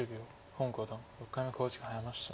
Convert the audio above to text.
洪五段６回目の考慮時間に入りました。